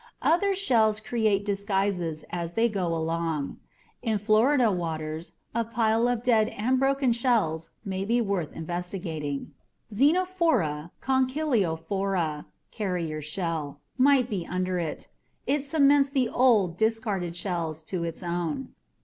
Other shells create disguises as they go along. In Florida waters, a pile of dead and broken shells may be worth investigation: XENOPHORA CONCHYLIOPHORA ("carrier shell") might be under it; it cements the old, discarded shells to its own.